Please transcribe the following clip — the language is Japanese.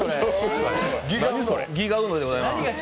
ギガウノでございます。